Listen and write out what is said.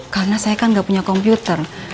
karena saya kan gak punya komputer